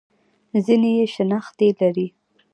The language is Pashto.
ځینې یې شنختې لري.